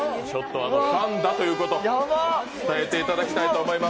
ファンだということをつたえていただきたいと思います。